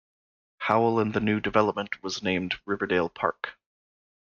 Howell and the new development was named Riverdale Park.